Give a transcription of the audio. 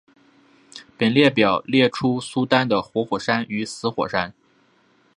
本列表列出苏丹的活火山与死火山。